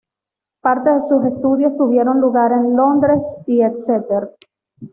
Parte de sus estudios tuvieron lugar en Londres y Exeter.